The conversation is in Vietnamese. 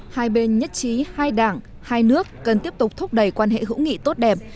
hai bên nhất trí hai đảng hai nước cần tiếp tục thúc đẩy quan hệ hữu nghị tốt đẹp